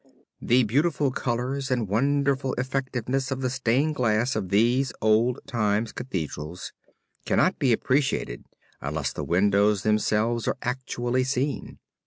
The beautiful colors and wonderful effectiveness of the stained glass of these old time Cathedrals cannot be appreciated unless the windows themselves are actually seen.